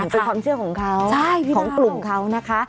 เป็นความเชื่อของเขาของกลุ่มเขานะคะ